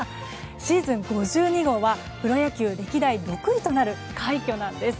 シーズン５２号はプロ野球歴代６位となる快挙なんです。